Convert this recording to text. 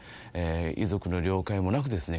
遺族の了解もなくですね